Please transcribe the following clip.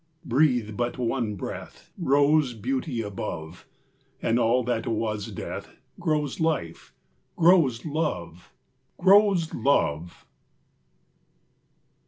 Breathe but one breath Rose beauty above, And all that was death Grows life, grows love, Grows love!